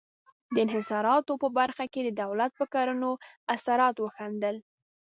د انحصاراتو په برخه کې د دولت پر کړنو اثرات وښندل.